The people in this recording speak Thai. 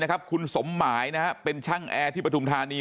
คุณสมหมายเป็นช่างแอร์ที่ปฐุมธานี